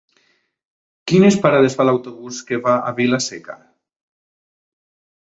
Quines parades fa l'autobús que va a Vila-seca?